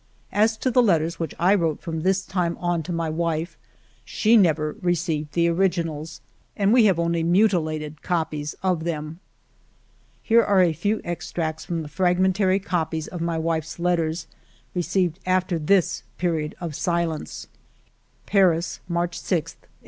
As to the letters which I wrote from this time on to my wife, she never received the originals, and we have only mutilated copies of them. Here are a few extracts from the fragmentary copies of my wife's letters, received after this period of silence :— "Paris, March 6, 1898.